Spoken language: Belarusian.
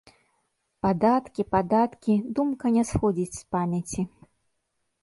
Падаткі, падаткі, думка не сходзіць з памяці.